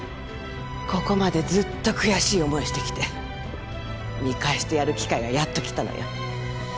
ここまでずっと悔しい思いしてきて見返してやる機会がやっと来たのよ